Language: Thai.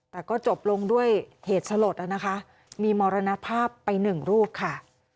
แต่ก็จบลงด้วยเหตุสลดนะคะมีมรณภาพไปหนึ่งรูปค่ะ